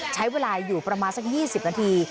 ใช้เวลาอยู่ประมาณสัก๒๐นาที